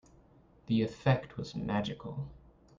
The effect was magical.